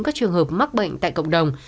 các trường hợp mắc bệnh tại cộng đồng